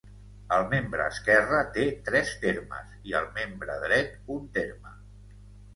El membre esquerre té tres termes i el membre dret un terme.